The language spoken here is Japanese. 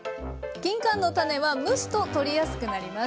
きんかんの種は蒸すと取りやすくなります。